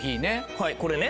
はいこれね。